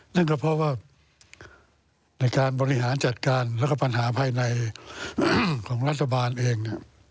นั่นก็เพราะว่าในการบริหารจัดการแล้วก็ปัญหาภายในของรัฐบาลเอง